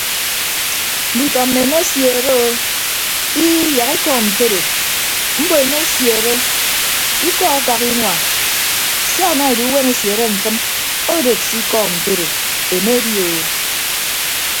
Nditọ mmi emesiere o ii yak ikọọm ntoro mbo emesiere ikọ akak inua sia ema edu esiere mfịn odod se ikọọm ntoro emedi o.